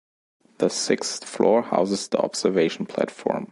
The sixth floor houses the observation platform.